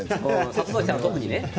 里崎さんは特にね。